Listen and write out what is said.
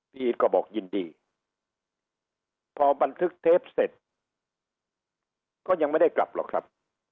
ก็บอกยินดีพอบันทึกเทปเสร็จก็ยังไม่ได้กลับหรอกครับ